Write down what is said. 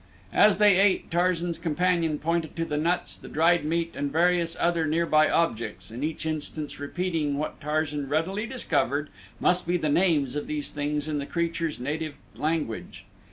As they ate Tarzan's companion pointed to the nuts, the dried meat, and various other nearby objects, in each instance repeating what Tarzan readily discovered must be the names of these things in the creature's native language.